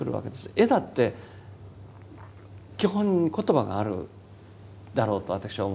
絵だって基本言葉があるだろうと私は思うんですね。